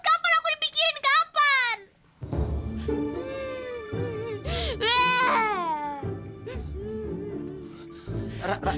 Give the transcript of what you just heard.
kapan aku dipikirin kapan